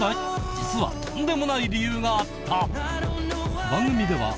実はとんでもない理由があった！